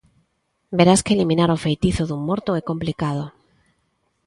Verás que eliminar o feitizo dun morto é complicado.